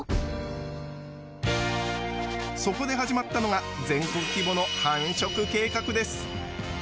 そこで始まったのが全国規模の繁殖計画です。